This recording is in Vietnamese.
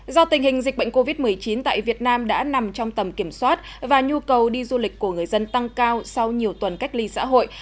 do tình hình dịch bệnh covid một mươi chín tại việt nam đã nằm trong tầm kiểm soát và nhu cầu đi du lịch của người dân tăng cao sau nhiều tuần cách ly xã hội